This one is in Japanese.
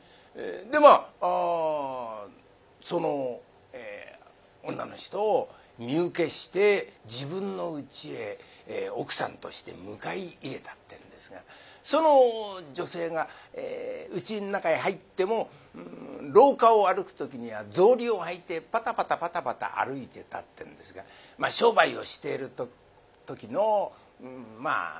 でまあその女の人を身請けして自分のうちへ奥さんとして迎え入れたってんですがその女性がうちの中へ入っても廊下を歩く時には草履を履いてパタパタパタパタ歩いてたってんですがまあ商売をしている時のまあ